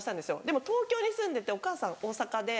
でも東京に住んでてお母さん大阪で。